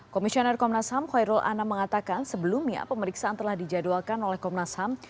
komisioner komnas ham khairul anam mengatakan sebelumnya pemeriksaan telah dijadwalkan oleh komnas ham